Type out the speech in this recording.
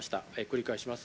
繰り返します。